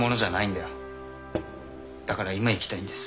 だから今行きたいんです。